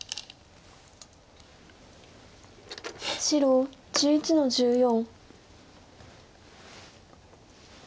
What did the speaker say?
白１１の十四。